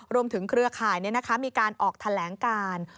เครือข่ายมีการออกแถลงการ